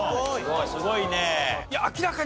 すごいね。